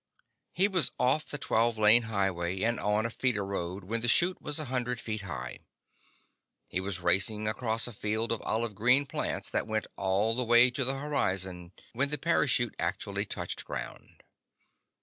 He was off the twelve lane highway and on a feeder road when the chute was a hundred feet high. He was racing across a field of olive green plants that went all the way to the horizon when the parachute actually touched ground.